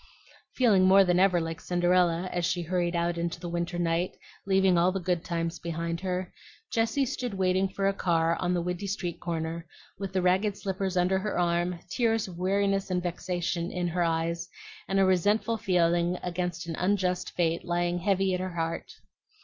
Feeling more than ever like Cinderella as she hurried out into the winter night, leaving all the good times behind her, Jessie stood waiting for a car on the windy street corner, with the ragged slippers under her arm, tears of weariness and vexation in her eyes, and a resentful feeling against an unjust fate lying heavy at her heart.